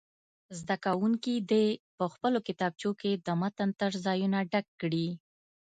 زده کوونکي دې په خپلو کتابچو کې د متن تش ځایونه ډک کړي.